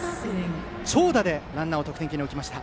長打でランナーを得点圏に置きました。